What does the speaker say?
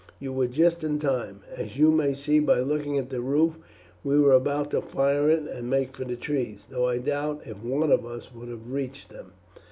You were just in time, as you may see by looking at the roof. We were about to fire it and make for the trees, though I doubt if one of us would have reached them."